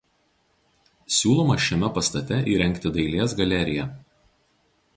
Siūloma šiame pastate įrengti dailės galeriją.